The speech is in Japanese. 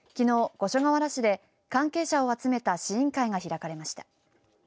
五所川原市で関係者を集めた試飲会が開かれました。